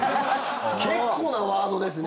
結構なワードですね。